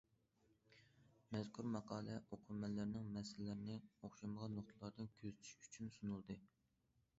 مەزكۇر ماقالە ئوقۇرمەنلەرنىڭ مەسىلىلەرنى ئوخشىمىغان نۇقتىلاردىن كۆزىتىشى ئۈچۈن سۇنۇلدى.